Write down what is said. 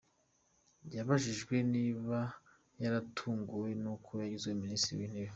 Yabajijijwe niba yaratunguwe n’uko yagizwe Minisitiri w’Intebe;.